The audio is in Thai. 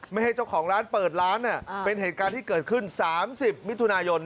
ไม่ให้เจ้าของร้านเปิดร้านเป็นเหตุการณ์ที่เกิดขึ้น๓๐มิถุนายน